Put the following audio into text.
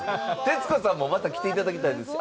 徹子さんもまた来ていただきたいです。